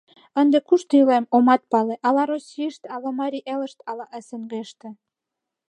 Ынде кушто илем — омат пале: ала Российыште, ала Марий Элыште, ала СНГ-ыште...